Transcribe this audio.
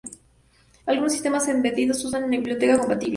Algunos sistemas embebidos usan una biblioteca compatible.